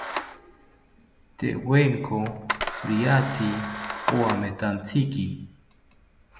Tewenko riatzi owametantziki